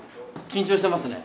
緊張してますね。